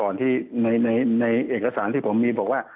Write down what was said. ที่ในเอกสารที่ผมมีบอกว่า